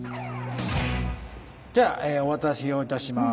じゃあお渡しをいたします。